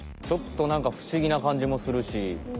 ちょっとなんかふしぎなかんじもするし。